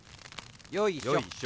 よいしょ。